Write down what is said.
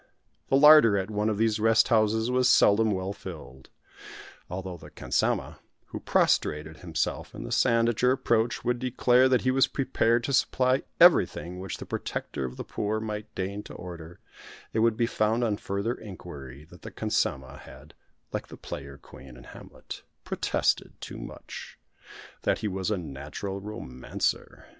The larder at one of those rest houses was seldom well filled. Although the khansamah who prostrated himself in the sand at your approach would declare that he was prepared to supply everything which the protector of the poor might deign to order, it would be found on further inquiry that the khansamah had, like the Player Queen in Hamlet, protested too much that he was a natural romancer.